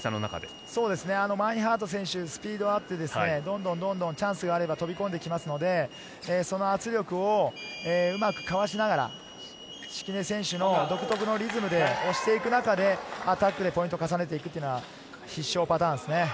マインハート選手、スピードがあって、どんどんチャンスがあれば飛び込んできますので、その圧力をうまくかわしながら敷根選手の独特のリズムで押して行く中でアタックでポイントを重ねていくのは、必勝パターンですね。